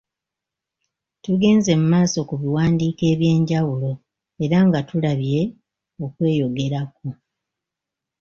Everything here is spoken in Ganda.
Tugenze mu maaso ku biwandiiko eby’enjawulo era nga tulabye okweyogerako. ,